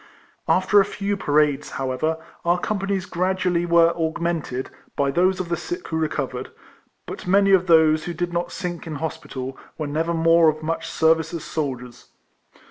After a few parades, however, our com panies gradually were augmented (by those of the sick who recovered), but many of those who did not sink in hospital, were never more of much service as soldiers.